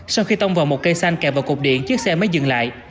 sau khi tông vào một cây xanh kẹp vào cục điện chiếc xe mới dừng lại